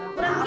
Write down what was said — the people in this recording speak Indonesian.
ah udah wangi